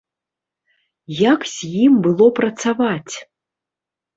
Як з ім было працаваць?